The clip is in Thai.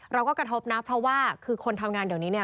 เราก็กระทบนะเพราะว่าคือคนทำงานเดี๋ยวนี้เนี่ย